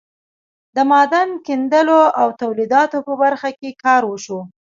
د معدن کیندلو او تولیداتو په برخه کې کار وشو.